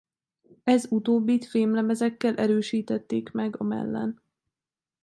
Ez utóbbit fémlemezekkel erősítették meg a mellen.